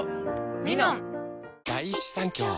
「ミノン」